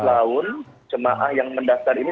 laun jemaah yang mendastar ini